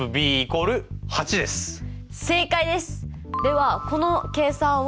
正解です！